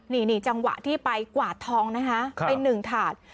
นี่จังหวะที่ไปกวาดทองนะคะเป็นหนึ่งถาด